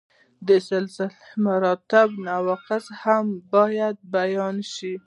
د سلسله مراتبو نواقص هم باید بیان شي.